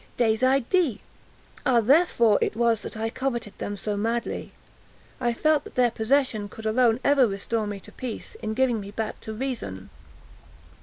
Des idées!—ah, therefore it was that I coveted them so madly! I felt that their possession could alone ever restore me to peace, in giving me back to reason.